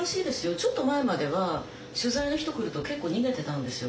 ちょっと前までは取材の人来ると結構逃げてたんですよ